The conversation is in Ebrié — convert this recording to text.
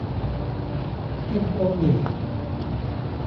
Ɛ pɔ nkɛ.